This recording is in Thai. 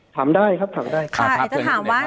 ถามได้ครับถามได้